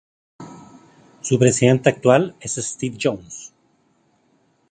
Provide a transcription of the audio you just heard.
Su presidente actual es Steve Jones.